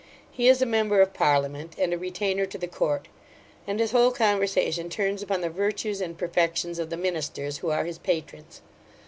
He is a member of parliament, and a retainer to the court; and his whole conversation turns upon the virtues and perfections of the ministers, who are his patrons.